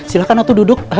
silahkan atu duduk